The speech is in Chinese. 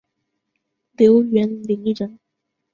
刘元霖人。